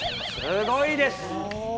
すごいです。